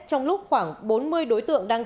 trong lúc khoảng bốn mươi đối tượng